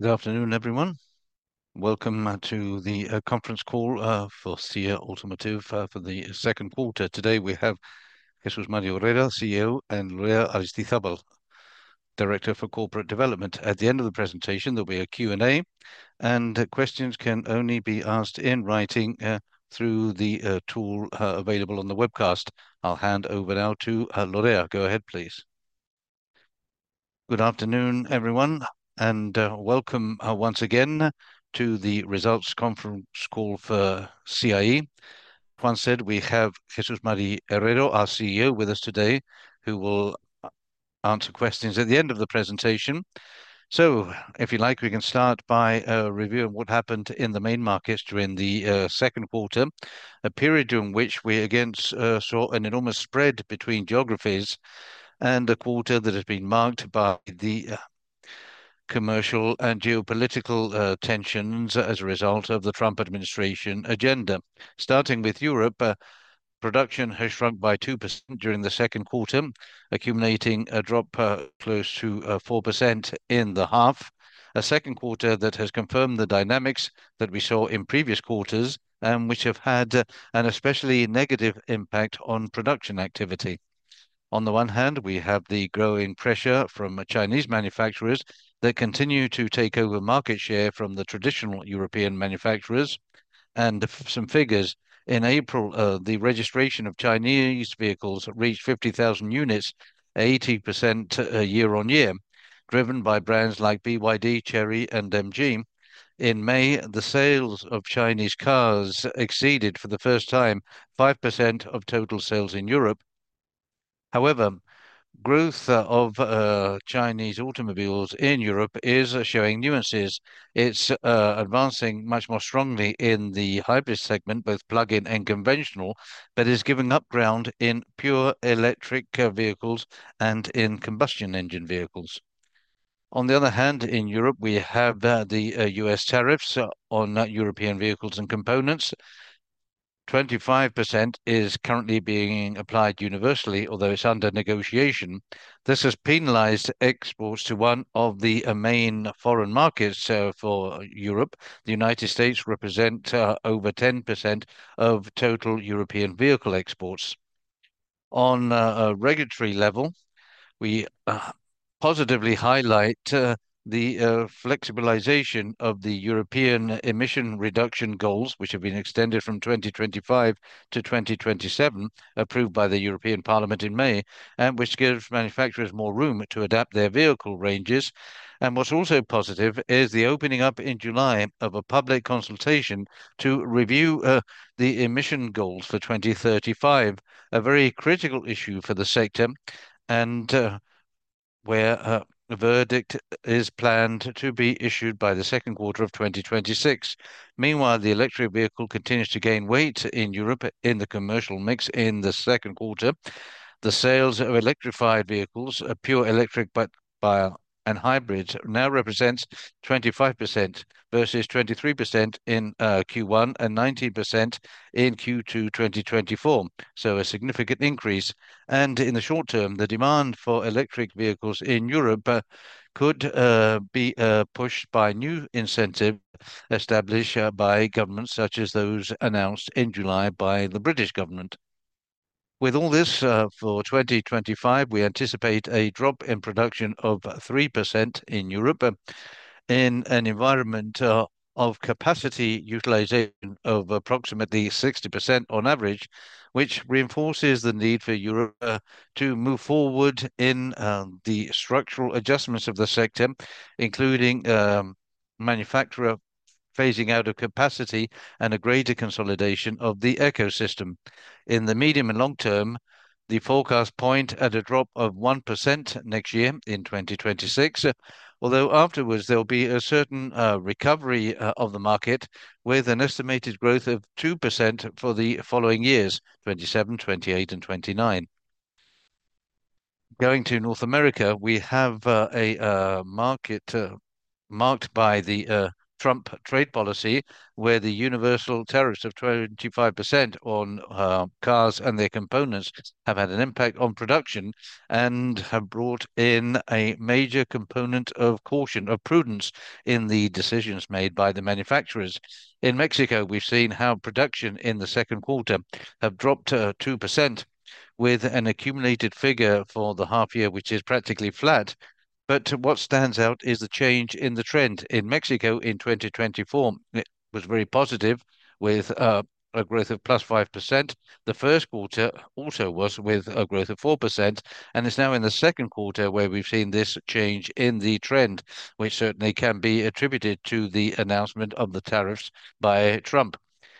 Good afternoon everyone. Welcome to the conference call for CIE Automotive for the second quarter. Today we have Jesús María Herrera, CEO and Lorea Aristizabal, Director for Corporate Development. At the end of the presentation there'll be a Q&A and questions can only be asked in writing through the tool available on the webcast. I'll hand over now to Lorea. Go ahead please. Good afternoon everyone and welcome once again to the results conference call for CIE. Juan said, we have Jesús María Herrera, our CEO, with us today who will answer questions at the end of the presentation. If you like, we can start by reviewing what happened in the main markets during the second quarter, a period during which we again saw an enormous spread between geographies and a quarter that has been marked by the commercial and geopolitical tensions as a result of the Trump administration agenda. Starting with Europe, production has shrunk by 2% during the second quarter, accumulating a drop close to 4% in the half. A second quarter that has confirmed the dynamics that we saw in previous quarters, which have had an especially negative impact on production activity. On the one hand, we have the growing pressure from Chinese manufacturers that continue to take over market share from the traditional European manufacturers and some figures. In April, the registration of Chinese vehicles reached 50,000 units, 80% year-on-year, driven by brands like BYD, Chery, and MG. In May, the sales of Chinese cars exceeded for the first time 5% of total sales in Europe. However, growth of Chinese automobiles in Europe is showing nuances. It's advancing much more strongly in the hybrid segment, both plug-in and conventional, but is giving up ground in pure electric vehicles and in combustion engine vehicles. On the other hand, in Europe we have the U.S. tariffs on European vehicles and components. 25% is currently being applied universally, although it's under negotiation. This has penalized exports to one of the main foreign markets for Europe. The United States represent over 10% of total European vehicle exports. On a regulatory level, we positively highlight the flexibilization of the European Emission Reduction goals, which have been extended from 2025 to 2027, approved by the European Parliament in May, which gives manufacturers more room to adapt their vehicle ranges. What's also positive is the opening up in July of a public consultation to review the emission goals for 2035, a very critical issue for the sector and where a verdict is planned to be issued by the second quarter of 2026. Meanwhile, the electric vehicle continues to gain weight in Europe in the commercial mix. In the second quarter, the sales of electrified vehicles, pure electric and hybrids, now represents 25% versus 23% in Q1 and 19% in Q2 2024, so a significant increase. In the short term, the demand for electric vehicles in Europe could be pushed by new incentives established by governments, such as those announced in July by the British government. With all this, for 2025, we anticipate a drop in production of 3% in Europe in an environment of capacity utilization of approximately 60% on average, which reinforces the need for Europe to move forward in the structural adjustments of the sector, including manufacturer phasing out of capacity and a greater consolidation of the ecosystem in the medium and long term. The forecast points at a drop of 1% next year in 2026, although afterwards there'll be a certain recovery of the market, with an estimated growth of 2% for the following years, 2027, 2028, and 2029. Going to North America, we have a market marked by the Trump trade policy, where the universal tariffs of 25% on cars and their components have had an impact on production and have brought in a major component of caution, of prudence, in the decisions made by the manufacturers. In Mexico, we've seen how production in the second quarter has dropped 2% with an accumulated figure for the half year, which is practically flat. What stands out is the change in the trend. In Mexico in 2024, it was very positive with a growth of plus 5%. The first quarter also was with a growth of 4%. It's now in the second quarter where we've seen this change in the trend, which certainly can be attributed to the announcement of the tariffs by Trump.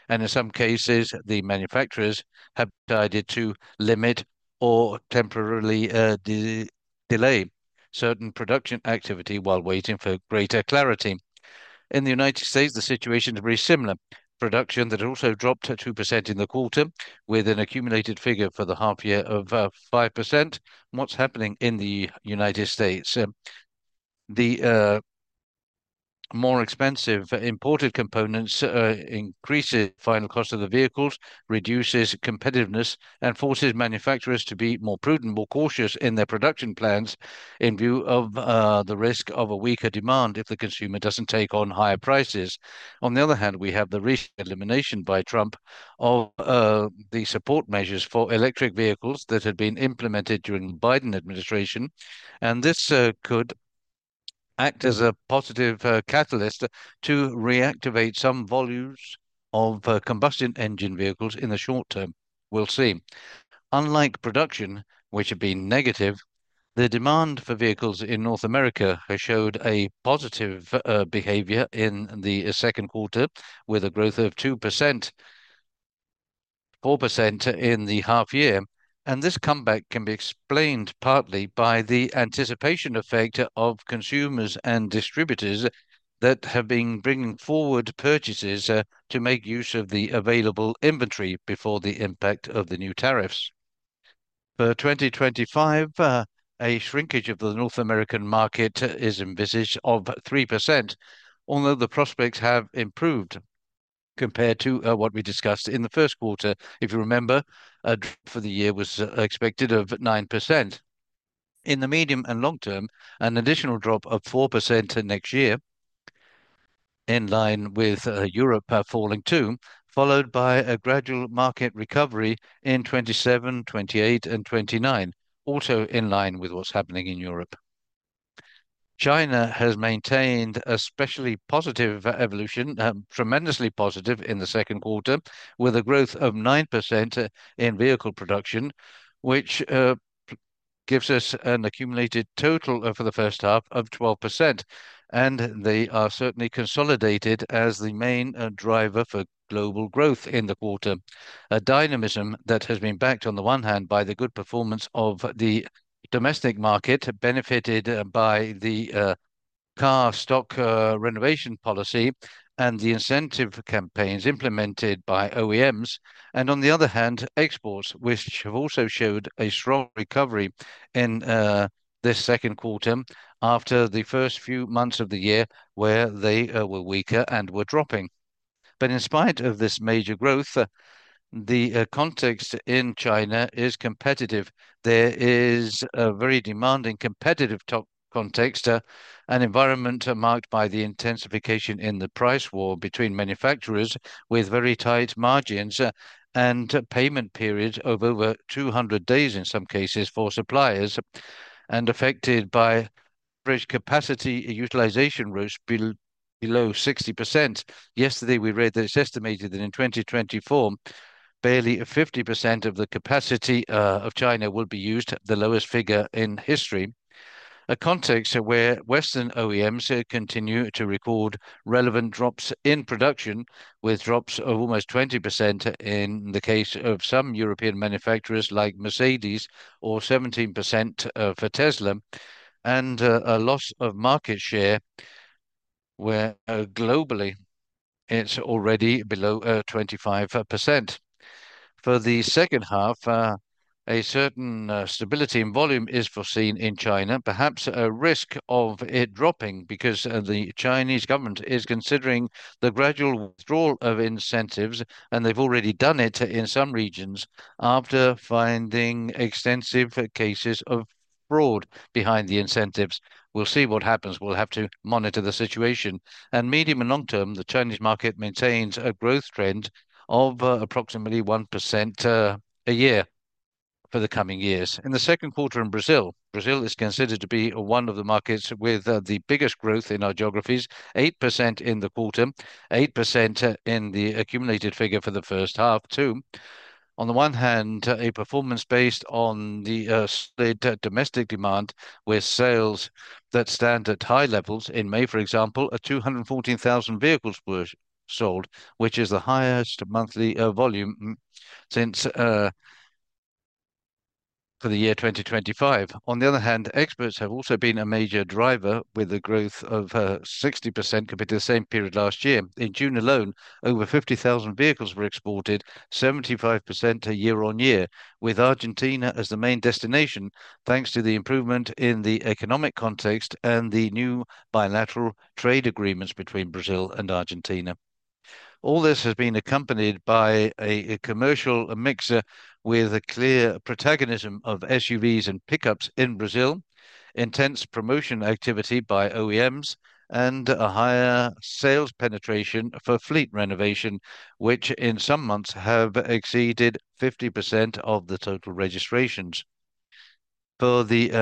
In some cases, the manufacturers have decided to limit or temporarily delay certain production activity while waiting for greater clarity. In the United States, the situation is very similar. Production also dropped 2% in the quarter, with an accumulated figure for the half year of 5%. What's happening in the United States, the more expensive imported components increases final cost of the vehicles, reduces competitiveness, and forces manufacturers to be more prudent, more cautious in their production plans, in view of the risk of a weaker demand if the consumer doesn't take on higher prices. On the other hand, we have the recent elimination by Trump of the support measures for electric vehicles that had been implemented during the Biden administration. This could act as a positive catalyst to reactivate some volumes of combustion engine vehicles. In the short term, we'll see. Unlike production, which have been negative, the demand for vehicles in North America has showed a positive behavior in the second quarter, with a growth of 2% to 4% in the half year. This comeback can be explained partly by the anticipation effect of consumers and distributors that have been bringing forward purchases to make use of the available inventory before the impact of the new tariffs. For 2025, a shrinkage of the North American market is envisaged of 3%, although the prospects have improved compared to what we discussed in the first quarter. If you remember, for the year was expected of 9% in the medium and long term. An additional drop of 4% next year, in line with Europe falling too, followed by a gradual market recovery in 2027, 2028, and 2029. Also in line with what's happening in Europe. China has maintained a specially positive evolution, tremendously positive in the second quarter, with a growth of 9% in vehicle production, which gives us an accumulated total for the first half of 12%. They are certainly consolidated as the main driver for global growth in the quarter. A dynamism that has been backed on the one hand by the good performance of the domestic market, benefited by the car stock renovation policy and the incentive campaigns implemented by OEMs. On the other hand, exports have also showed a strong recovery in this second quarter after the first few months of the year, where they were weaker and were dropping. In spite of this major growth, the context in China is competitive. There is a very demanding competitive context, an environment marked by the intensification in the price war between manufacturers with very tight margins and payment periods of over 200 days in some cases for suppliers, and affected by fresh capacity utilization routes below 60%. Yesterday we read that it's estimated that in 2024 barely 50% of the capacity of China will be used, the lowest figure in history. A context where Western OEMs continue to record relevant drops in production, with drops of almost 20% in the case of some European manufacturers like Mercedes, or 17% for Tesla. A loss of market share where globally it's already below 25% for the second half. A certain stability in volume is foreseen in China, perhaps a risk of it dropping, because the Chinese government is considering the gradual withdrawal of incentives. They've already done it in some regions after finding extensive cases of fraud behind the incentives. We'll see what happens. We'll have to monitor the situation. Medium and long term, the Chinese market maintains a growth trend of approximately 1% a year for the coming years. In the second quarter in Brazil. Brazil is considered to be one of the markets with the biggest growth in our geographies. 8% in the quarter, 8% in the accumulated figure for the first half too. On the one hand, a performance based on the solid domestic demand with sales that stand at high levels. In May, for example, 214,000 vehicles were sold, which is the highest monthly volume for the year 2025. On the other hand, exports have also been a major driver, with the growth of 60% compared to the same period last year. In June alone, over 50,000 vehicles were exported, 75% year-on-year, with Argentina as the main destination, thanks to the improvement in the economic context and the new bilateral trade agreements between Brazil and Argentina. All this has been accompanied by a commercial mix with a clear protagonism of SUVs and pickups in Brazil, intense promotion activity by OEMs, and a higher sales penetration for fleet renovation, which in some months have exceeded 50% of the total registrations. For the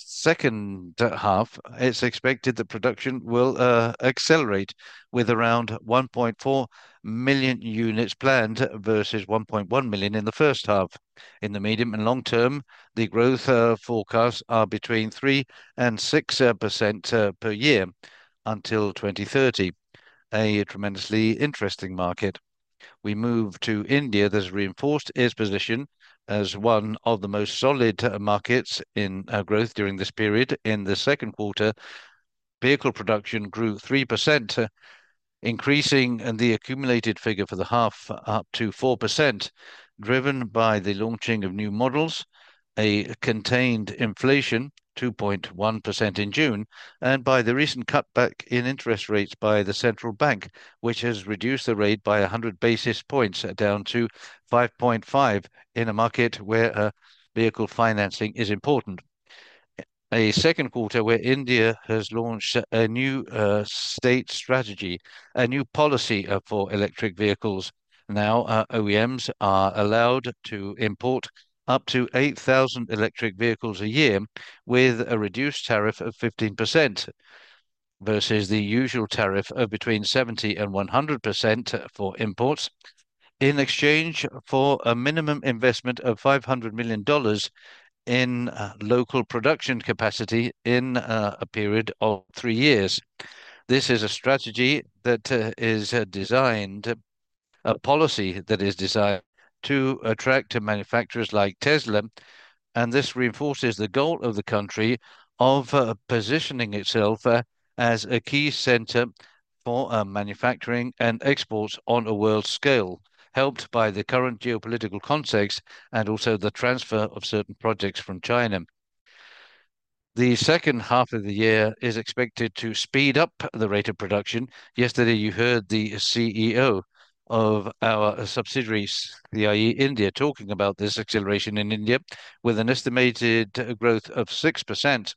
second half, it's expected that production will accelerate, with around 1.4 million units planned, versus 1.1 million in the first half. In the medium and long term, the growth forecasts are between 3% and 6% per year until 2030. A tremendously interesting market. We move to India that has reinforced its position as one of the most solid markets in growth during this period. In the second quarter, vehicle production grew 3%, increasing the accumulated figure for the half up to 4%, driven by the launching of new models. A contained inflation 2.1% in June and by the recent cutback in interest rates by the central bank, which has reduced the rate by 100 basis points down to 5.5. In a market where vehicle financing is important, a second quarter where India has launched a new state strategy. A new policy for electric vehicles. Now OEMs are allowed to import up to 8,000 electric vehicles a year with a reduced tariff of 15% versus the usual tariff of between 70% and 100% for imports, in exchange for a minimum investment of $500 million in local production capacity in a period of three years. This is a strategy that is designed, a policy that is designed to attract manufacturers like Tesla. This reinforces the goal of the country of positioning itself as a key center for manufacturing and exports on a world scale, helped by the current geopolitical context and also the transfer of certain projects from China. The second half of the year is expected to speed up the rate of production. Yesterday you heard the CEO of our subsidiary CIE India talking about this acceleration in India with an estimated growth of 6%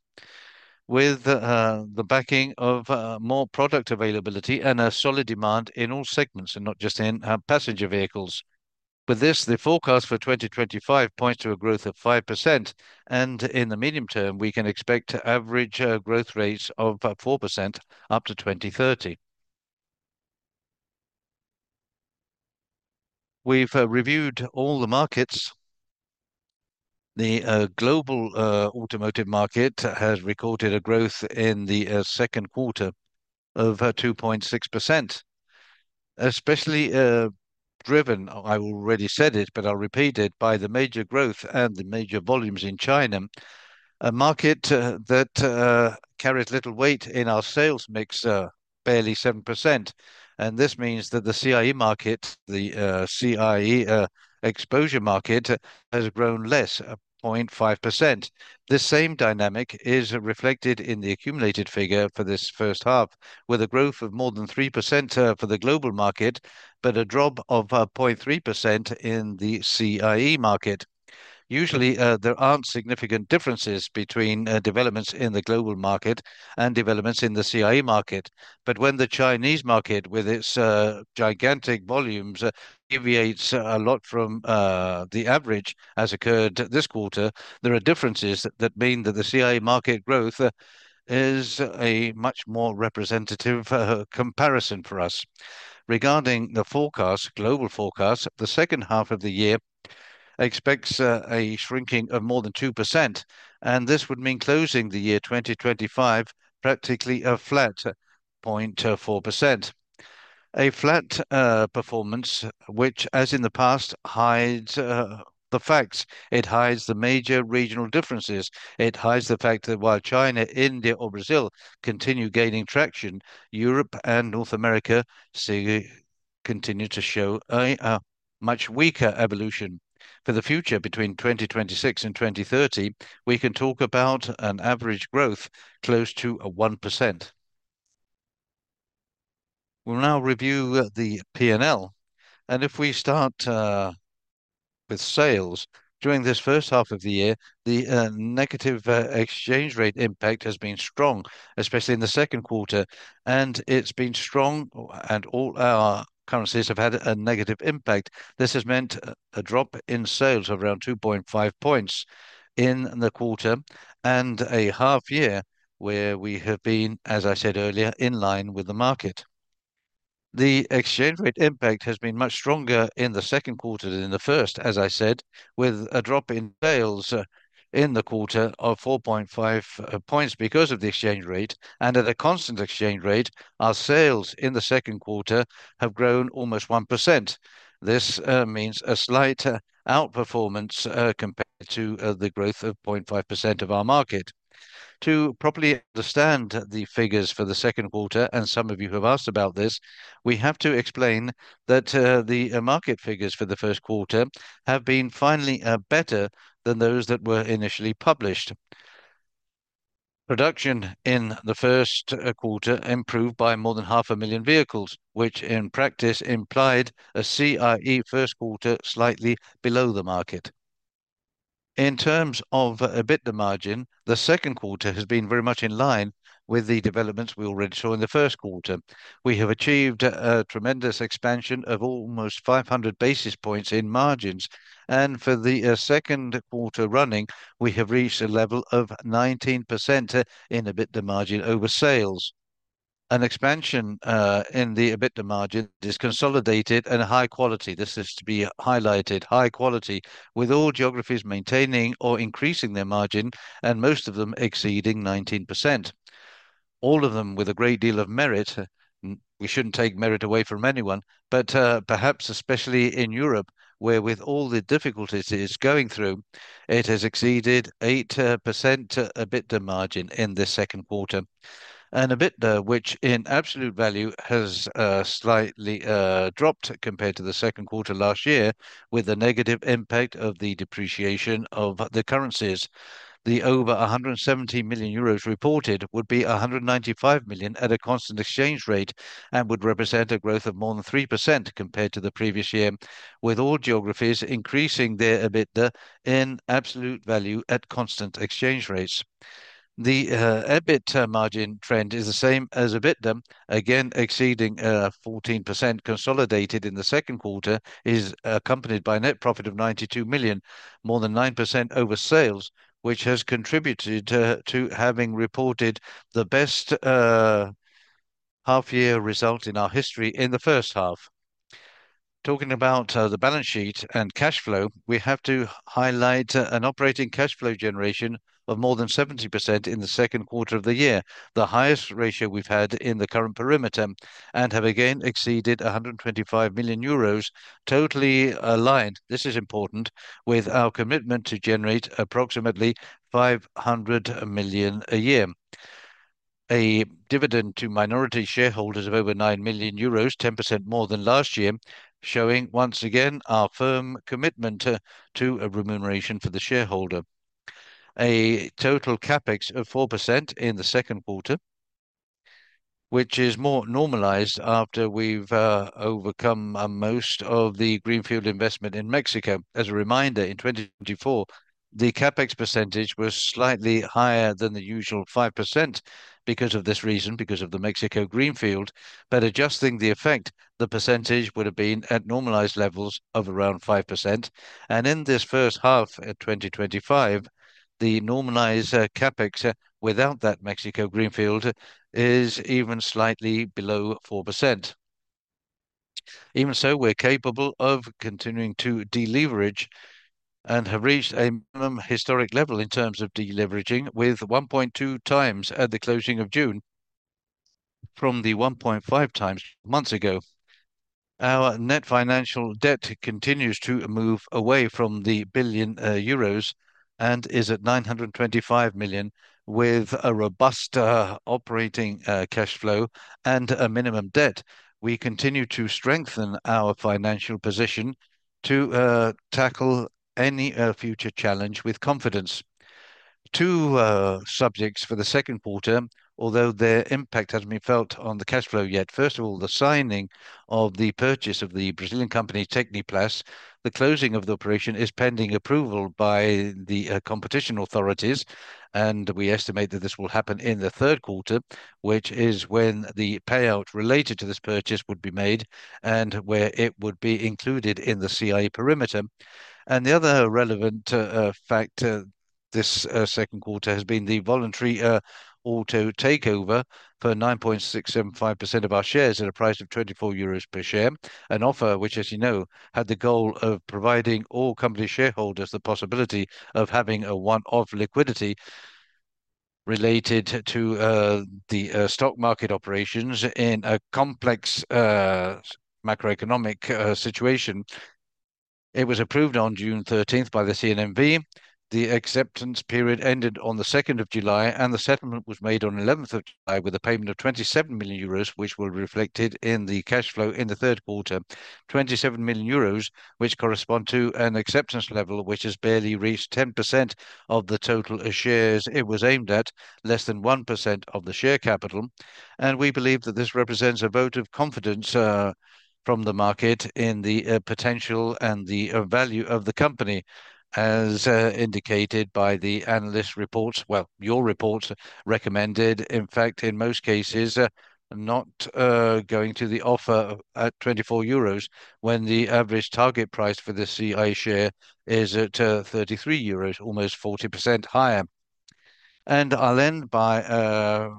with the backing of more product availability and a solid demand in all segments and not just in passenger vehicles. With this, the forecast for 2025 points to a growth of 5%. In the medium term, we can expect to average growth rates of 4% up to 2030. We've reviewed all the markets. The global automotive market has recorded a growth in the second quarter of 2.6%, especially driven, I already said it, but I'll repeat it, by the major growth and the major volumes in China. A market that carries little weight in our sales mix, barely 7%. This means that the CIE market, the CIE exposure market, has grown less, 0.5%. This same dynamic is reflected in the accumulated figure for this first half, with a growth of more than 3% for the global market, but a drop of 0.3% in the CIE market. Usually there aren't significant differences between developments in the global market and developments in the CIE market. When the Chinese market, with its gigantic volumes, deviates a lot from the average, as occurred this quarter, there are differences that mean that the CIE market growth is a much more representative comparison for us. Regarding the forecast, global forecasts, the second half of the year expects a shrinking of more than 2%. This would mean closing the year 2025 practically a flat 0.4%, a flat performance, which, as in the past, hides the facts. It hides the major regional differences. It hides the fact that while China, India, or Brazil continue gaining traction, Europe and North America continue to show a much weaker evolution for the future. Between 2026 and 2030, we can talk about an average growth close to 1%. We'll now review the P&L. If we start with sales during this first half of the year, the negative exchange rate impact has been strong, especially in the second quarter, and it's been strong. All our currencies have had a negative impact. This has meant a drop in sales of around 2.5 points in the quarter and a half year where we have been, as I said earlier, in line with the market. The exchange rate impact has been much stronger in the second quarter than in the first. As I said, with a drop in sales in the quarter of 4.5 points because of the exchange rate, and at a constant exchange rate, our sales in the second quarter have grown almost 1%. This means a slight outperformance compared to the growth of 0.5% of our market. To properly understand the figures for the second quarter, and some of you have asked about this, we have to explain that the market figures for the first quarter have been finally better than those that were initially published. Production in the first quarter improved by more than half a million vehicles, which in practice implied a CIE first quarter slightly below the market. In terms of EBITDA margin, the second quarter has been very much in line with the developments we already saw in the first quarter. We have achieved a tremendous expansion of almost 500 basis points in margins, and for the second quarter running we have reached a level of 19% in EBITDA margin over sales. An expansion in the EBITDA margin is consolidated and high quality. This is to be highlighted, high quality, with all geographies maintaining or increasing their margin and most of them exceeding 19%, all of them with a great deal of merit. We shouldn't take merit away from anyone, but perhaps especially in Europe, where with all the difficulties it is going through, it has exceeded 8% EBITDA margin in this second quarter and EBITDA, which in absolute value has slightly dropped compared to the second quarter last year, with the negative impact of the depreciation of the currencies. The over 117 million euros reported would be 195 million at a constant exchange rate and would represent a growth of 3% compared to the previous year. With all geographies increasing their EBITDA in absolute value at constant exchange rates, the EBITDA margin trend is the same as EBITDA, again exceeding 14% consolidated in the second quarter, is accompanied by a net profit of 92 million, more than 9% over sales, which has contributed to having reported the best half year result in our history in the first half. Talking about the balance sheet and cash flow, we have to highlight an operating cash flow generation of more than 70% in the second quarter of the year, the highest ratio we've had in the current perimeter, and have again exceeded 125 million euros, totally aligned. This is important with our commitment to generate approximately 500 million a year, a dividend to minority shareholders of over 9 million euros, 10% more than last year, showing once again our firm commitment to remuneration for the shareholder. A total CapEx of 4% in the second quarter, which is more normalized after we've overcome most of the greenfield investment in Mexico. As a reminder, in 2024 the CapEx percentage was slightly higher than the usual 5% because of this reason, because of the Mexico greenfield, but adjusting the effect, the percentage would have been at normalized levels of around 5%. In this first half, 2025, the normalized CapEx without that Mexico greenfield is even slightly below 4%. Even so, we're capable of continuing to deleverage and have reached a minimum historic level in terms of deleveraging, with 1.2 times at the closing of June from the 1.5 times months ago. Our net financial debt continues to move away from the 1 billion euros and is at 925 million. With a robust operating cash flow and a minimum debt, we continue to strengthen our financial position to tackle any future challenge with confidence. Two subjects for the second quarter, although their impact hasn't been felt on the cash flow yet. First of all, the signing of the purchase of the Brazilian company Techniplas. The closing of the operation is pending approval by the competition authorities. We estimate that this will happen in the third quarter, which is when the payout related to this purchase would be made and where it would be included in the CIE perimeter. The other relevant factor this second quarter has been the voluntary auto takeover for 9.675% of our shares at a price of 24 euros per share. An offer which, as you know, had the goal of providing all company shareholders the possibility of having a one-off liquidity related to the stock market operations in a complex macroeconomic situation. It was approved on June 13th by the CNMB. The acceptance period ended on July 2nd and the settlement was made on July 11th with a payment of 27 million euros, which will be reflected in the cash flow in the third quarter, 27 million euros, which correspond to an acceptance level which has barely reached 10% of the total shares. It was aimed at less than 1% of the share capital. We believe that this represents a vote of confidence from the market in the potential and the value of the company, as indicated by the analyst reports. Your reports recommended in fact, in most cases not going to the offer at 24 euros, when the average target price for the CIE share is at 33 euros, almost 40% higher. I'll end by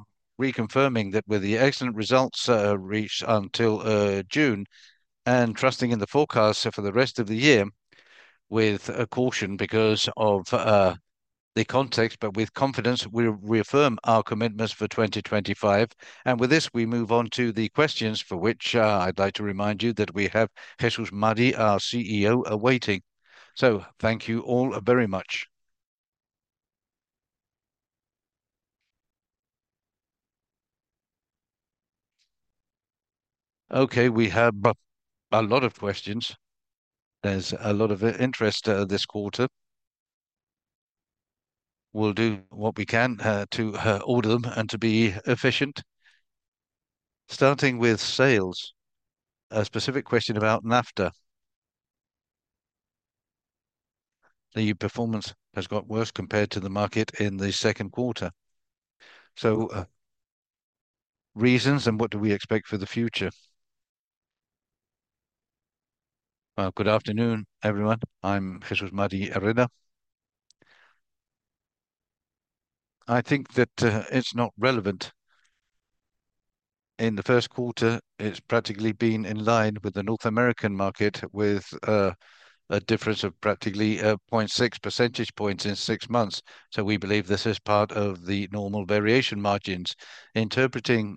reconfirming that with the excellent results reached until June and trusting in the forecast for the rest of the year. With caution because of the context, but with confidence, we reaffirm our commitments for 2025. With this we move on to the questions for which I'd like to remind you that we have Jesús María, our CEO, awaiting. Thank you all very much. We have a lot of questions. There's a lot of interest this quarter. We'll do what we can to order them and to be efficient, starting with sales. A specific question about NAFTA. The performance has got worse compared to the market in the second quarter. Reasons and what do we expect for the future? Good afternoon everyone. I'm Jesús María Herrera. I think that it's not relevant in the first quarter. It's practically been in line with the North American market with a difference of practically 0.6 percentage points in six months. We believe this is part of the normal variation margins. Interpreting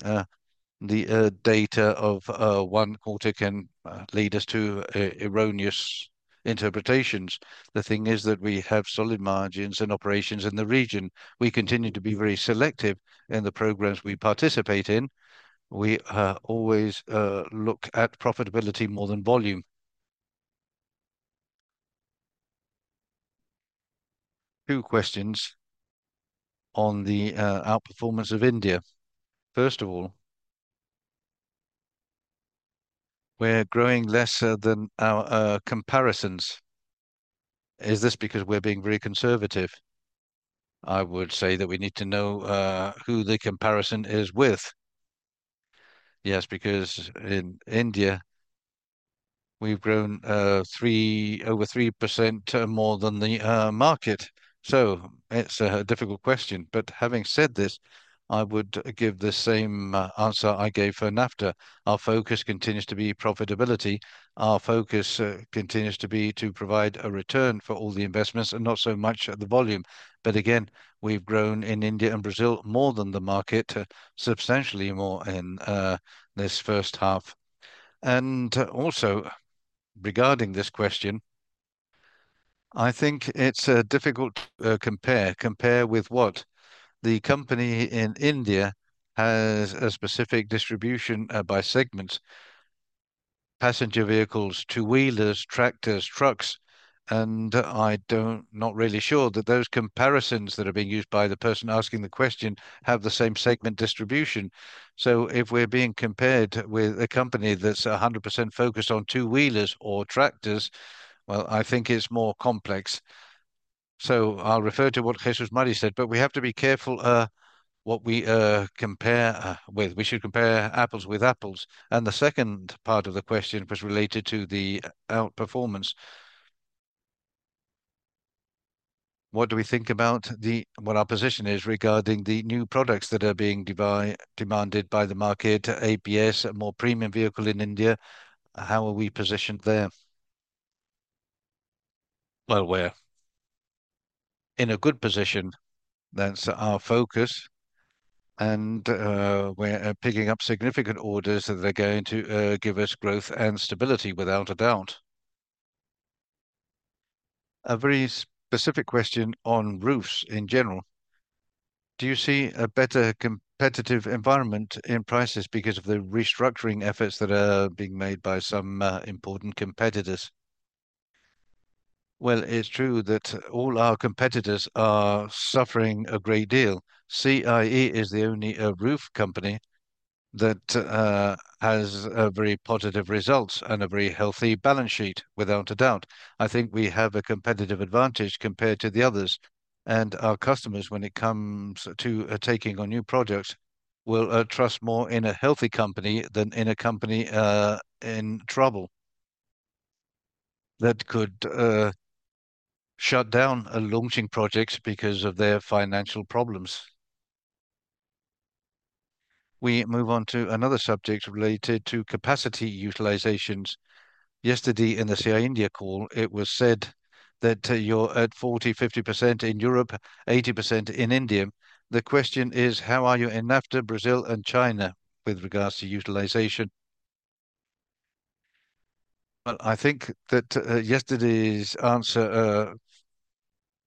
the data of one quarter can lead us to erroneous interpretations. The thing is that we have solid margins and operations in the region. We continue to be very selective in the programs we participate in. We always look at profitability more than volume. Two questions on the outperformance of India. First of all, we're growing lesser than our comparisons. Is this because we're being very conservative? I would say that we need to know who the comparison is with. Yes, because in India we've grown over 3% more than the market. It's a difficult question. Having said this, I would give the same answer I gave for NAFTA. Our focus continues to be profitability. Our focus continues to be to provide a return for all the investments and not so much the volume. We've grown in India and Brazil more than the market, substantially more in this first half. Regarding this question, I think it's difficult to compare. Compare with what? The company in India has a specific distribution by segment: passenger vehicles, two wheelers, tractors, trucks. I'm not really sure that those comparisons that are being used by the person asking the question have the same segment distribution. If we're being compared with a company that's 100% focused on two wheelers or tractors, I think it's more complex. I'll refer to what Jesús María said. We have to be careful what we compare with. We should compare apples with apples. The second part of the question was related to the outperformance. What do we think about what our position is regarding the new products that are being demanded by the market? ABS, a more premium vehicle in India, how are we positioned there? We're in a good position. That's our focus, and we're picking up significant orders that are going to give us growth and stability, without a doubt. A very specific question on roofs in general. Do you see a better competitive environment in prices because of the restructuring efforts that are being made by some important competitors? It's true that all our competitors are suffering a great deal. CIE is the only roof company that has very positive results and a very healthy balance sheet, without a doubt. I think we have a competitive advantage compared to the others, and our customers, when it comes to taking on new projects, will trust more in a healthy company than in a company in trouble that could shut down launching projects because of their financial problems. We move on to another subject related to capacity utilization. Yesterday in the CIE India call, it was said that you're at 40-50% in Europe, 80% in India. The question is how are you in NAFTA, Brazil, and China with regards to utilization? I think that yesterday's answer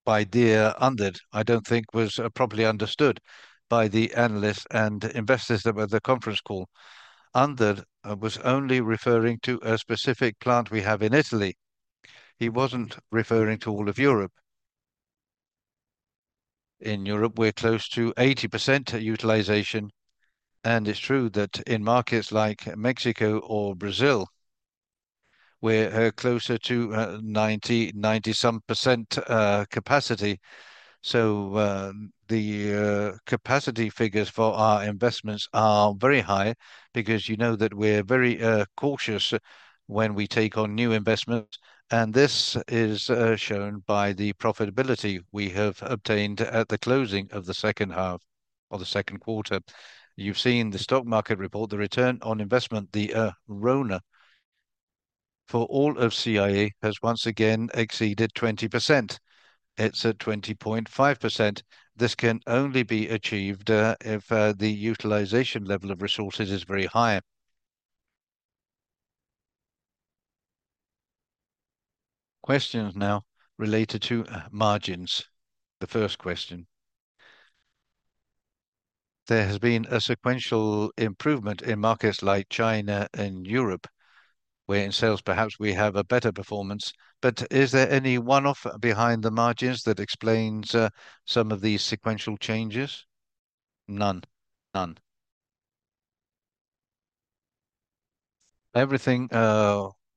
by Ander was not properly understood by the analysts and investors that were at the conference call. Ander was only referring to a specific plant we have in Italy. He wasn't referring to all of Europe. In Europe, we're close to 80% utilization. It's true that in markets like Mexico or Brazil we're closer to 90, 90 some percent capacity. The capacity figures for our investments are very high because you know that we're very cautious when we take on new investments. This is shown by the profitability we have obtained at the closing of the second half or the second quarter. You've seen the stock market report, the return on investment, the Verorona. For all of CIE has once again exceeded 20%. It's at 20.5%. This can only be achieved if the utilization level of resources is very high. Questions now related to margins. The first question. There has been a sequential improvement in markets like China and Europe, where in sales perhaps we have a better performance. Is there any one-off behind the margins that explains some of these sequential changes? None. None. Everything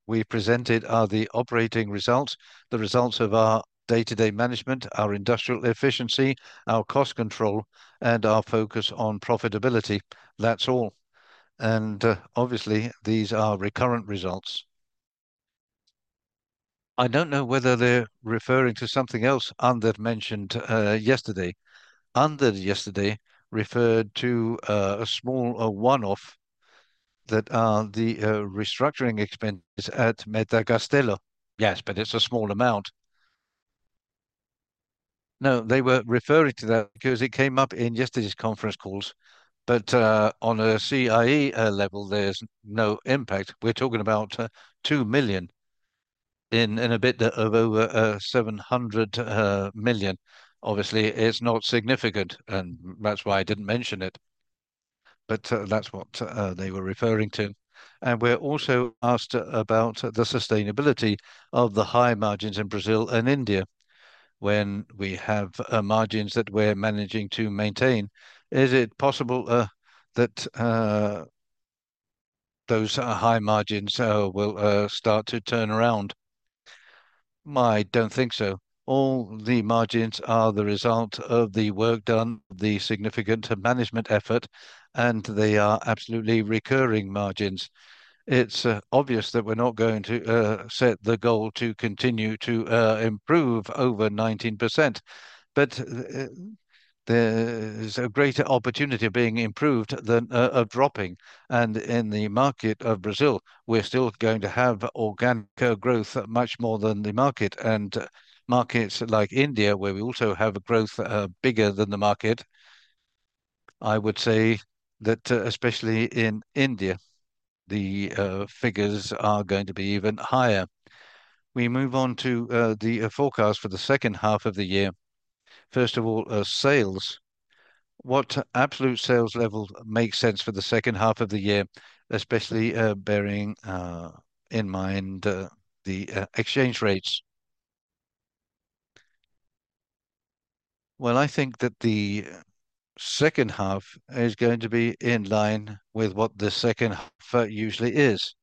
we presented are the operating results, the results of our day-to-day management, our industrial efficiency, our cost control, and our focus on profitability. That's all. Obviously these are recurrent results. I don't know whether they're referring to something else Ander mentioned yesterday. Ander yesterday referred to a small one-off, the restructuring expense at Metalcastello. Yes, but it's a small amount. No, they were referring to that because it came up in yesterday's conference calls. On a CIE level there's no impact. We're talking about $2 million in a bit of over $700 million. Obviously it's not significant and that's why I didn't mention it, but that's what they were referring to. We're also asked about the sustainability of the high margins in Brazil and India. When we have margins that we're managing to maintain. Is it possible that those high margins will start to turn around? I don't think so. All the margins are the result of the work done, the significant management effort, and they are absolutely recurring margins. It's obvious that we're not going to set the goal to continue to improve over 19%, but there's a greater opportunity being improved than of dropping. In the market of Brazil, we're still going to have organic growth much more than the market. In markets like India, where we also have growth bigger than the market, I would say that especially in India, the figures are going to be even higher. We move on to the forecast for the second half of the year. First of all, sales. What absolute sales level makes sense for the second half of the year, especially bearing in mind the exchange rates? I think that the second half is going to be in line with what the second half usually is.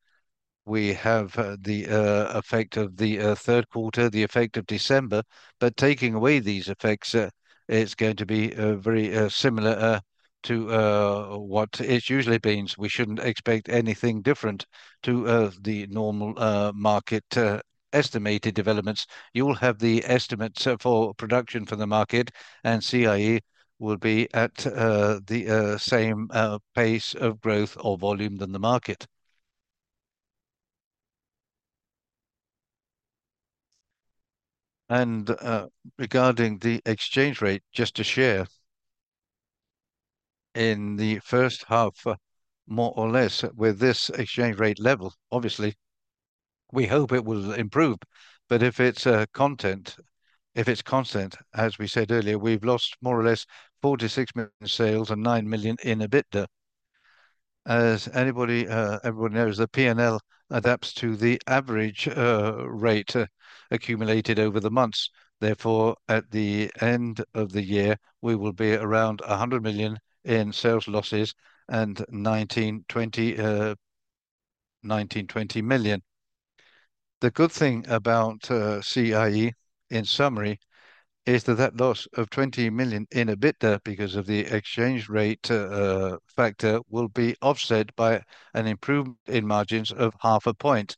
We have the effect of the third quarter, the effect of December, but taking away these effects, it's going to be very similar to what it usually means. We shouldn't expect anything different to the normal market estimated developments. You will have the estimates for production for the market and CIE will be at the same pace of growth or volume as the market. Regarding the exchange rate, just to share, in the first half, more or less with this exchange rate level, obviously we hope it will improve, but if it's constant, as we said earlier, we've lost more or less 46 million in sales and 9 million in EBITDA. As everybody knows, the P&L adapts to the average rate accumulated over the months. Therefore, at the end of the year we will be around 100 million in sales losses and 19-20 million. The good thing about CIE Automotive, in summary, is that that loss of 20 million in EBITDA because of the exchange rate factor will be offset by an improvement in margins of half a point.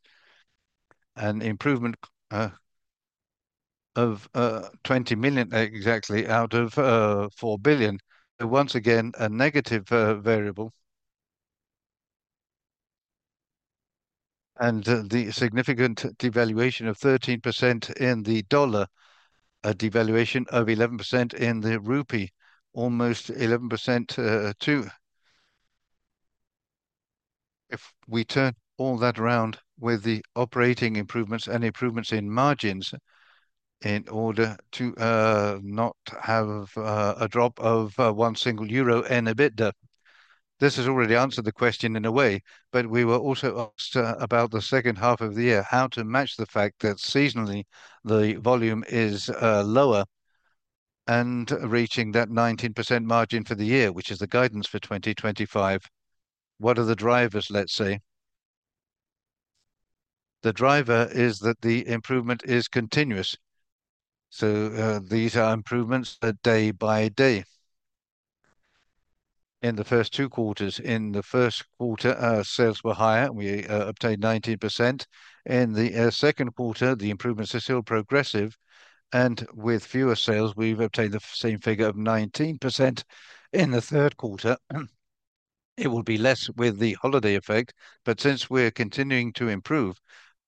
An improvement of 20 million exactly out of 4 billion. Once again, a negative variable. The significant devaluation of 13% in the dollar, a devaluation of 11% in the rupee, almost 11% too. If we turn all that around with the operating improvements and improvements in margins, in order to not have a drop of one single euro in EBITDA. This has already answered the question in a way. We were also asked about the second half of the year, how to match the fact that seasonally the volume is lower and reaching that 19% margin for the year, which is the guidance for 2025, what are the drivers, let's say? The driver is that the improvement is continuous. These are improvements day by day. In the first two quarters, in the first quarter, sales were higher. We obtained 19%. In the second quarter, the improvements are still progressive and with fewer sales, we've obtained the same figure of 19%. In the third quarter, it will be less with the holiday effect, but since we're continuing to improve,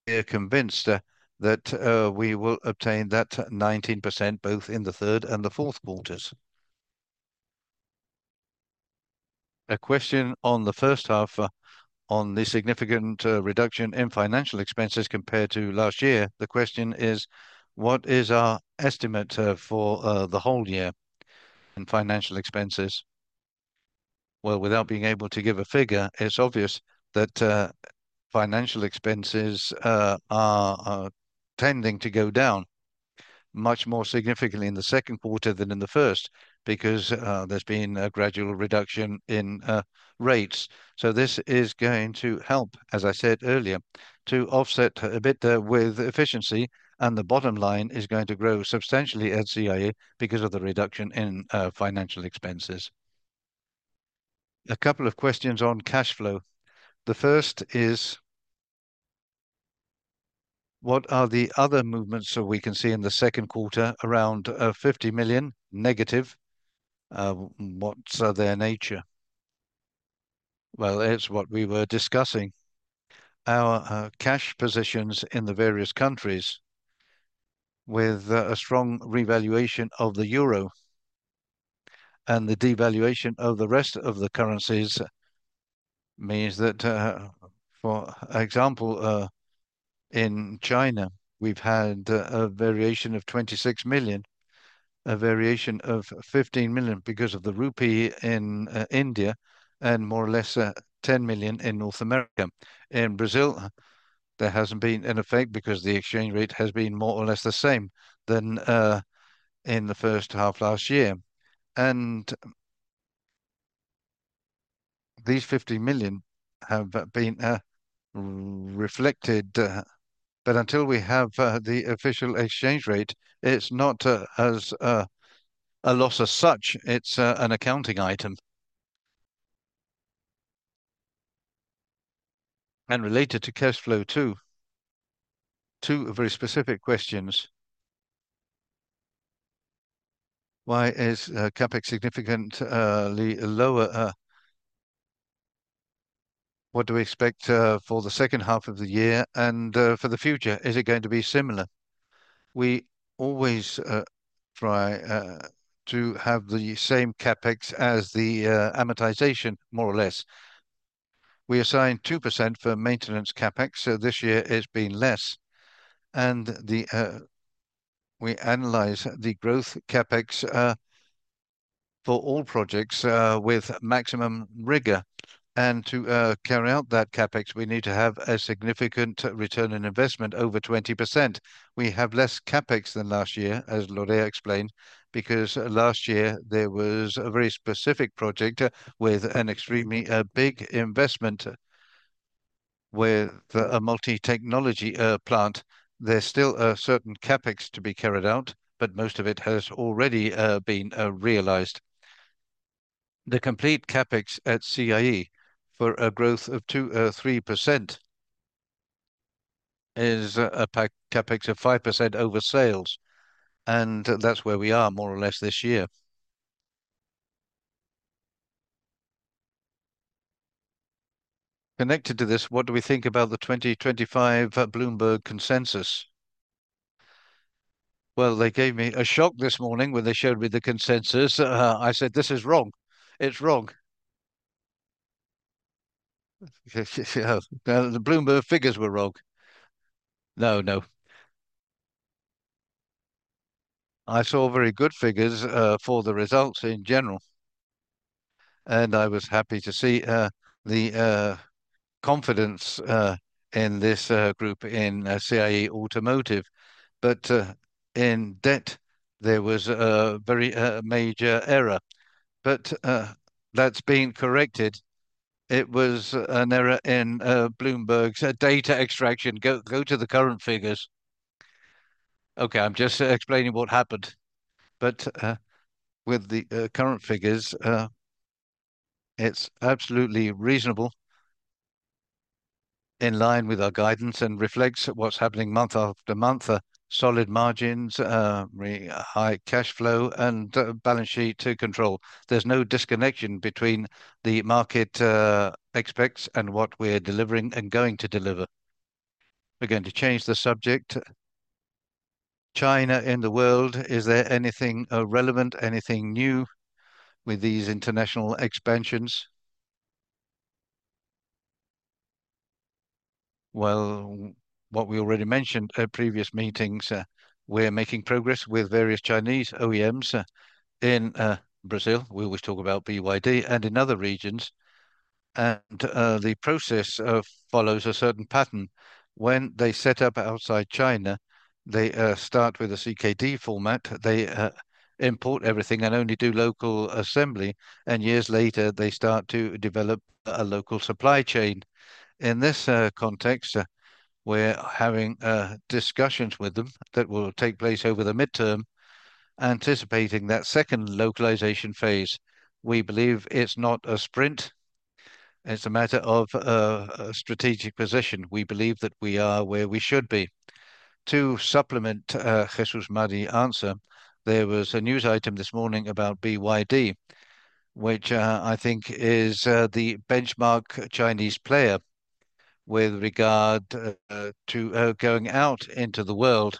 we're convinced that we will obtain that 19% both in the third and the fourth quarters. A question on the first half, on the significant reduction in financial expenses compared to last year. The question is what is our estimate for the whole year and financial expenses? Without being able to give a figure, it's obvious that financial expenses are tending to go down much more significantly in the second quarter than in the first because there's been a gradual reduction in rates. This is going to help, as I said earlier, to offset a bit with efficiency. The bottom line is going to grow substantially at CIE because of the reduction in financial expenses. A couple of questions on cash flow. The first is what are the other movements? We can see in the second quarter around 50 million negative. What's their nature? It's what we were discussing. Our cash positions in the various countries with a strong revaluation of the euro and the devaluation of the rest of the currencies means that, for example, in China we've had a variation of 26 million, a variation of 15 million because of the rupee in India, and more or less 10 million in North America. In Brazil there hasn't been an effect because the exchange rate has been more or less the same as in the first half last year and these 50 million have been reflected. Until we have the official exchange rate, it's not as a loss as such, it's an accounting item and related to cash flow too. Two very specific questions. Why is CapEx significantly lower? What do we expect for the second half of the year and for the future? Is it going to be similar? We always try to have the same CapEx as the amortization, more or less. We assign 2% for maintenance CapEx. This year it's been less. We analyze the growth CapEx for all projects with maximum rigor and to carry out that CapEx we need to have a significant return on investment over 20%. We have less CapEx than last year, as Lorea explained, because last year there was a very specific project with an extremely big investment with a multi-technology plant. There's still a certain CapEx to be carried out, but most of it has already been realized. The complete CapEx at CIE for a growth of 2.3% is a CapEx of 5% over sales and that's where we are more or less this year. Connected to this, what do we think about the 2025 Bloomberg consensus? They gave me a shock this morning when they showed me the consensus. I said this is wrong, it's wrong. The Bloomberg figures were wrong. I saw very good figures for the results in general and I was happy to see the confidence in this group in CIE Automotive, but in debt, there was a very major error, but that's been corrected. It was an error in Bloomberg's data extraction. Go to the current figures. Okay, I'm just explaining what happened. With the current figures, it's absolutely reasonable in line with our guidance and reflects what's happening month after month. Solid margins, high cash flow, and balance sheet to control. There's no disconnection between what the market expects and what we're delivering and going to deliver. We're going to change the subject. China in the world, is there anything relevant, anything new with these international expansions? What we already mentioned at previous meetings, we're making progress with various Chinese OEMs. In Brazil, we always talk about BYD and in other regions. The process follows a certain pattern. When they set up outside China, they start with a CKD format, they import everything and only do local assembly. Years later, they start to develop a local supply chain. In this context, we're having discussions with them that will take place over the midterms, anticipating that second localization phase. We believe it's not a sprint, it's a matter of strategic position. We believe that we are where we should be to supplement. Jesús María's answer. There was a news item this morning about BYD, which I think is the benchmark Chinese player with regard to going out into the world.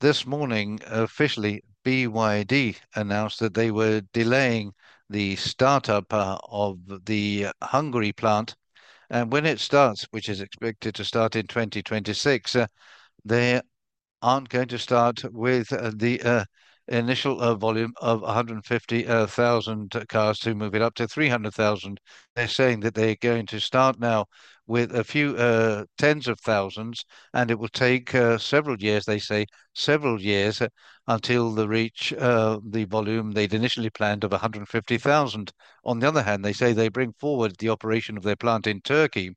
This morning, officially, BYD announced that they were delaying the startup of the Hungary plant and when it starts, which is expected to start in 2026, they aren't going to start with the initial volume of 150,000 cars to move it up to 300,000. They're saying that they're going to start now with a few tens of thousands and it will take several years, they say several years until they reach the volume they'd initially planned of 150,000. On the other hand, they say they bring forward the operation of their plant in Turkey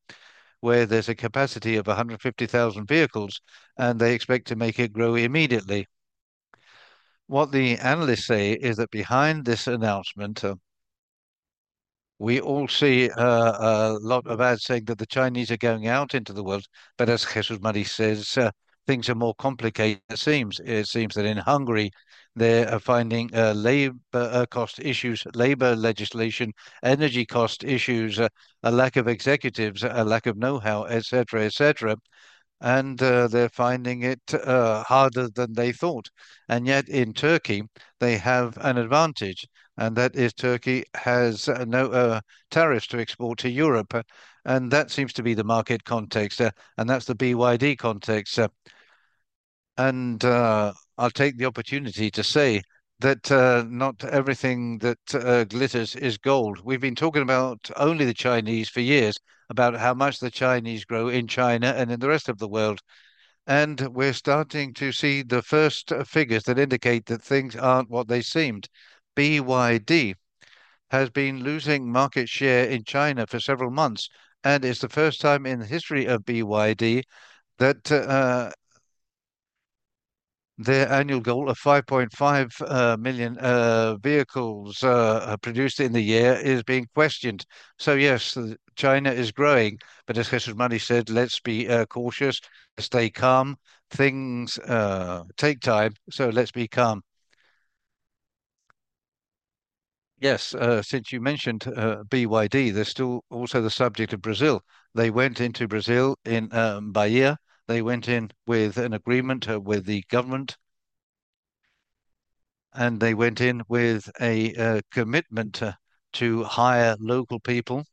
where there's a capacity of 150,000 vehicles and they expect to make it grow immediately. What the analysts say is that behind this announcement we all see a lot of ads saying that the Chinese are going out into the world. As Jesús María says, things are more complicated. It seems that in Hungary they are finding labor cost issues, labor legislation, energy cost issues, a lack of executives, a lack of know-how, etc. They are finding it harder than they thought. Yet in Turkey, they have an advantage, and that is Turkey has no tariffs to export to Europe. That seems to be the market context, and that's the BYD context. I'll take the opportunity to say that not everything that glitters is gold. We've been talking about only the Chinese for years, about how much the Chinese grow in China and in the rest of the world. We're starting to see the first figures that indicate that things aren't what they seem. BYD has been losing market share in China for several months, and it's the first time in the history of BYD that their annual goal of 5.5 million vehicles produced in the year is being questioned. Yes, China is growing, but as Khashmani said, let's be cautious, stay calm. Things take time. Let's be calm. Since you mentioned BYD, there's still also the subject of Brazil. They went into Brazil in Bahia. They went in with an agreement with the government, and they went in with a commitment to hire local people.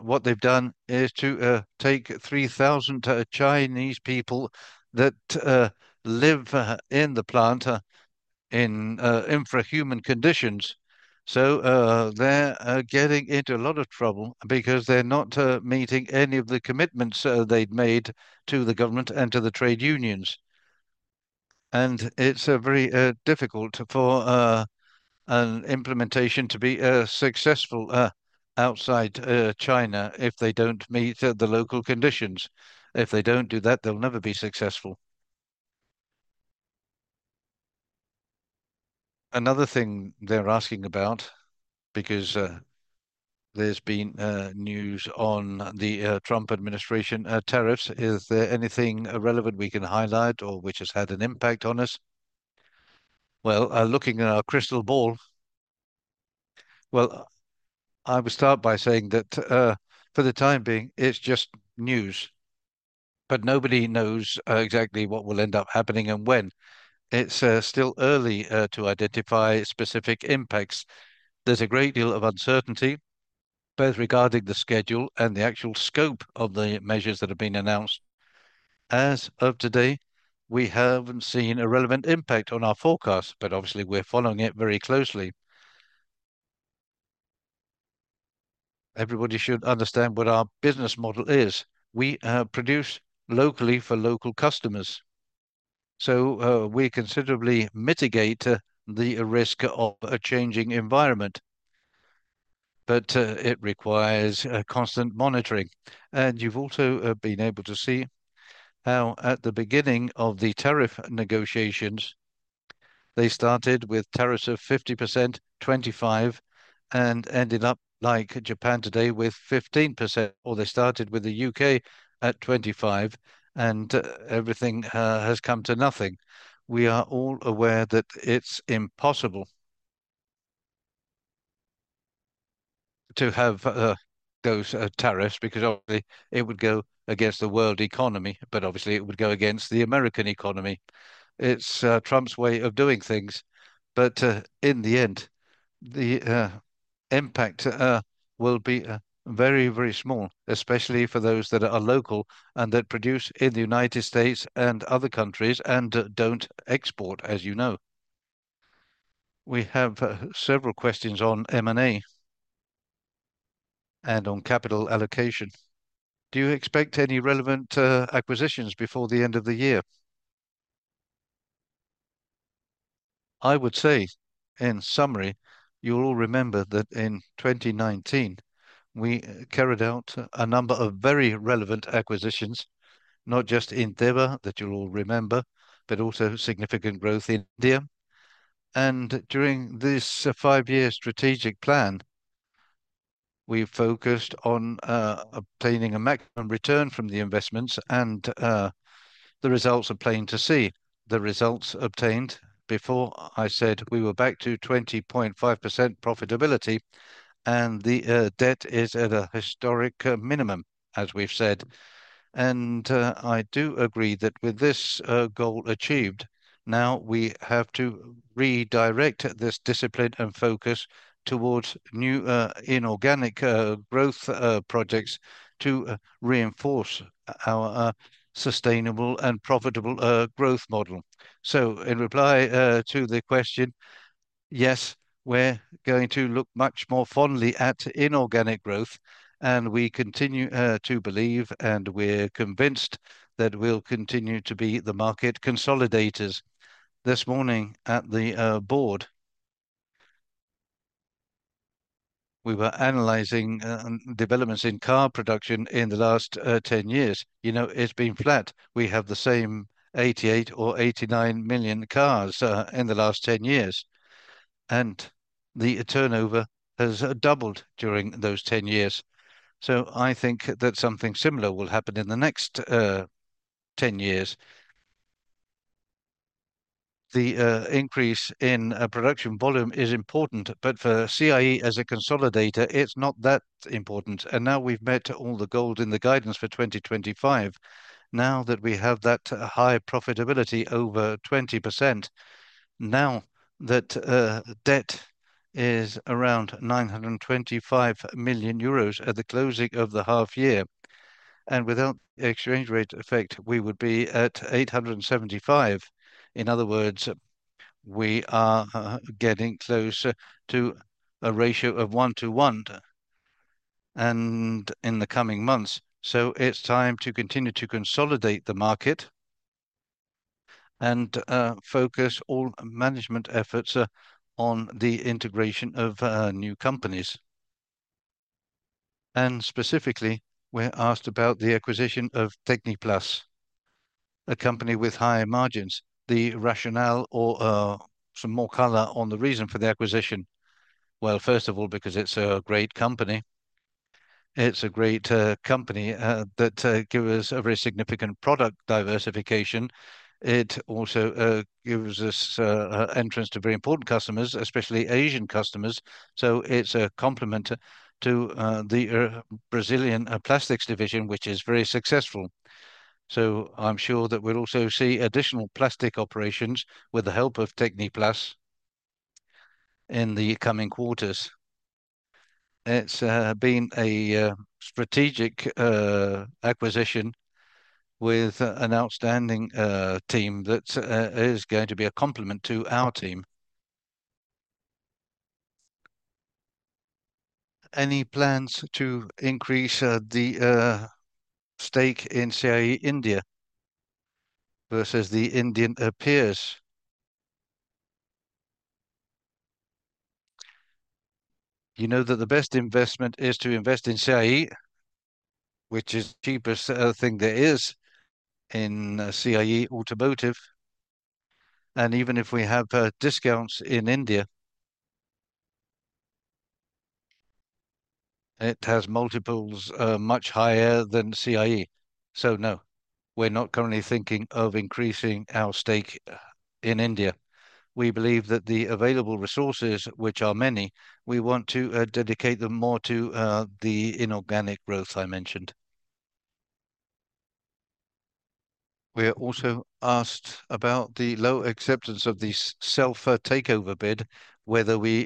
What they've done is to take 3,000 Chinese people that live in the plant in infra human conditions. They're getting into a lot of trouble because they're not meeting any of the commitments they'd made to the government and to the trade unions. It's very difficult for an implementation to be successful outside China if they don't meet the local conditions. If they don't do that, they'll never be successful. Another thing they're asking about, because there's been news on the Trump administration tariffs. Is there anything relevant we can highlight or which has had an impact on us? Looking at our crystal ball, I would start by saying that for the time being, it's just news, but nobody knows exactly what will end up happening and when. It's still early to identify specific impacts. There's a great deal of uncertainty both regarding the schedule and the actual scope of the measures that have been announced. As of today, we haven't seen a relevant impact on our forecast, but obviously we're following it very closely. Everybody should understand what our business model is. We produce locally for local customers, so we considerably mitigate the risk of a changing environment. It requires constant monitoring. You've also been able to see how at the beginning of the tariff negotiations, they started with tariffs of 50%, 25% and ended up like Japan today with 15%. They started with the U.K. at 25% and everything has come to nothing. We are all aware that it's impossible to have those tariffs because obviously it would go against the world economy, but obviously it would go against the American economy. It's Trump's way of doing things. In the end, the impact will be very, very small, especially for those that are local and that produce in the United States and other countries and don't export. As you know, we have several questions on M&A and on capital allocation. Do you expect any relevant acquisitions before the end of the year? I would say, in summary, you'll all remember that in 2019 we carried out a number of very relevant acquisitions, not just in TEBA, that you'll all remember, but also significant growth in India. During this five year strategic plan, we focused on obtaining a maximum return from the investments. The results are plain to see. The results obtained before I said we were back to 20.5% profitability. The debt is at a historic minimum, as we've said. I do agree that with this goal achieved now, we have to redirect this discipline and focus towards new inorganic growth projects to reinforce our sustainable and profitable growth model. In reply to the question, yes, we're going to look much more fondly at inorganic growth and we continue to believe, and we're convinced that we'll continue to be the market consolidators. This morning at the board, we were analyzing developments in car production in the last 10 years. You know, it's been flat. We have the same 88 or 89 million cars in the last 10 years. The turnover has doubled during those 10 years. I think that something similar will happen in the next 10 years. The increase in production volume is important, but for CIE as a consolidator, it's not that important. Now we've met all the gold in the guidance for 2025, now that we have that high profitability, over 20%. Now that debt is around 925 million euros. At the closing of the half year and without exchange rate effect, we would be at 875 million. In other words, we are getting close to a ratio of one to one in the coming months. It's time to continue to consolidate the market and focus all management efforts on the integration of new companies. Specifically, we're asked about the acquisition of Techniplas, a company with high margins. The rationale or some more color on the reason for the acquisition? First of all, because it's a great company. It's a great company that gives us a very significant product diversification. It also gives us entrance to very important customers, especially Asian customers. It's a complement to the Brazilian plastics division, which is very successful. I'm sure that we'll also see additional plastic operations with the help of Techniplas in the coming quarters. It's been a strategic acquisition with an outstanding team that is going to be a complement to our team. Any plans to increase the stake in CIE India versus the Indian peers. You know that the best investment is to invest in CIE, which is the cheapest thing there is in CIE Automotive. Even if we have discounts in India, it has multiples much higher than CIE. No, we're not currently thinking of increasing our stake in India. We believe that the available resources, which are many, we want to dedicate them more to the inorganic growth I mentioned. We are also asked about the low acceptance of the self-takeover bid, whether we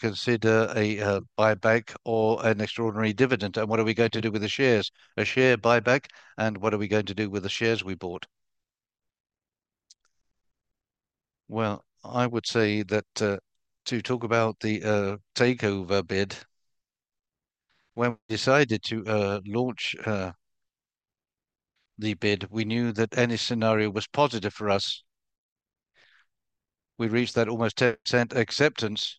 consider a buyback or an extraordinary dividend, and what are we going to do with the shares. A share buyback and what are we going to do with the shares we bought? To talk about the takeover bid, when we decided to launch the bid, we knew that any scenario was positive for us. We reached that almost 10% acceptance.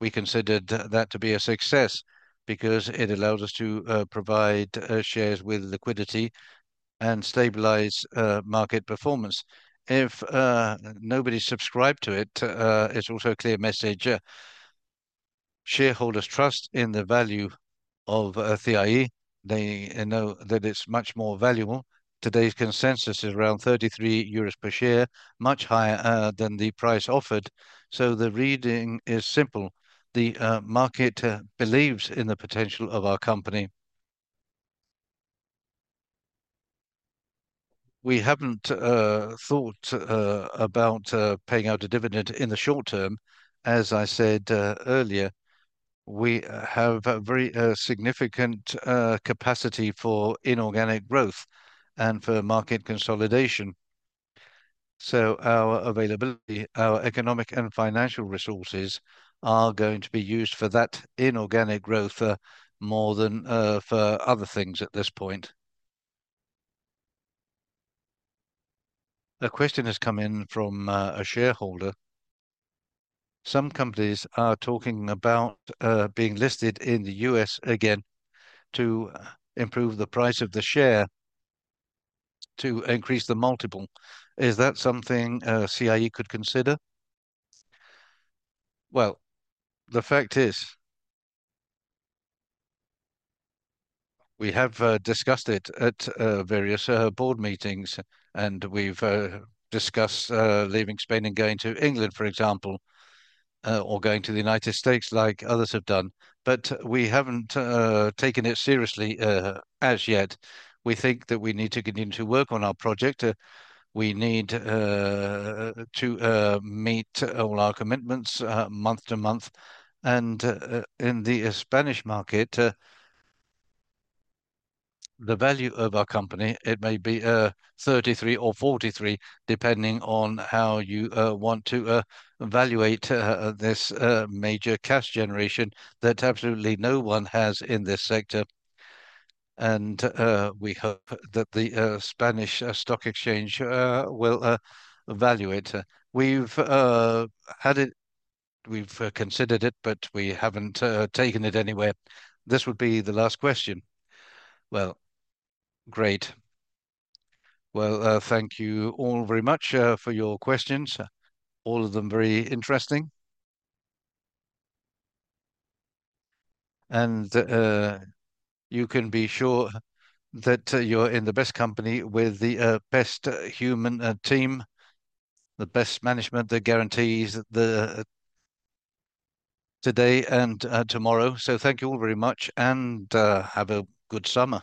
We considered that to be a success because it allows us to provide shares with liquidity and stabilize market performance if nobody subscribed to it. It's also a clear message. Shareholders trust in the value of CIE. They know that it's much more valuable. Today's analyst consensus target price is around 33 euros per share, much higher than the price offered. The reading is simple. The market believes in the potential of our company. We haven't thought about paying out a dividend in the short term. As I said earlier, we have very significant capacity for inorganic growth and for market consolidation. Our availability, our economic and financial resources are going to be used for that inorganic growth more than for other things at this point. A question has come in from a shareholder. Some companies are talking about being listed in the U.S. again to improve the price of the share, to increase the multiple. Is that something CIE could consider? The fact is we have discussed it at various board meetings and we've discussed leaving Spain and going to England, for example, or going to the United States like others have done. We haven't taken it seriously as yet. We think that we need to continue to work on our project. We need to meet all our commitments month to month. In the Spanish market, the value of our company may be 33 or 43, depending on how you want to evaluate this major cash generation that absolutely no one has in this sector. We hope that the Spanish stock exchange will value it. We've had it, we've considered it, but we haven't taken it anywhere. This would be the last question. Thank you all very much for your questions, all of them very interesting. You can be sure that you're in the best company with the best human team, the best management that guarantees the today and tomorrow. Thank you all very much and have a good summer.